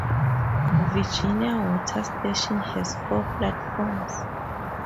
Virginia Water station has four platforms.